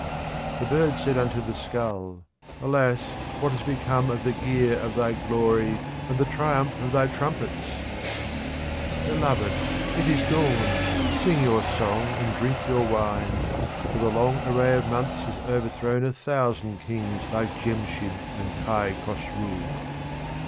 The bird said unto the skull, "Alas ! what has become of the gear of thy glory and the triumph of thy trumpets ?" 5 QUATRAINS OF OMAR KHAYYAM Beloved, it is dawn. Sing your song and drink your wine, for the long array of months has overthrown a thousand kings like Djemshid and Kai Khosrou.